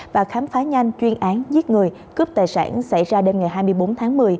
và khám phá nhanh chuyên án giết người cướp tài sản xảy ra đêm ngày hai mươi bốn tháng một mươi